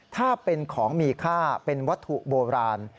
ถ้าเป็นของมีค่าเป็นวัตถุโบราณ